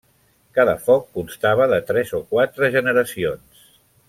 Cada foc constava de tres o quatre generacions.